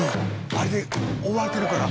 「あれ覆われてるから」